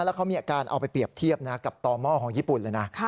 แล้วเขามีการเอาไปเปรียบเทียบนะกับต่อหม้อของญี่ปุ่นเลยนะ